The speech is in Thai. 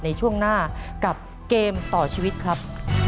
ในช่วงหน้ากับเกมต่อชีวิตครับ